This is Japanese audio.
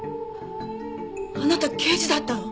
あなた刑事だったの？